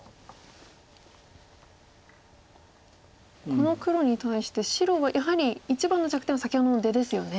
この黒に対して白はやはり一番の弱点は先ほどの出ですよね。